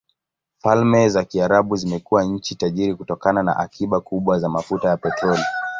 Falme za Kiarabu zimekuwa nchi tajiri kutokana na akiba kubwa za mafuta ya petroli.